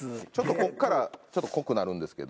ここからちょっと濃くなるんですけど。